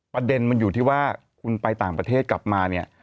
ประเด็นมันอยู่ที่ว่าคุณไปต่างประเทศกลับมาเนี่ย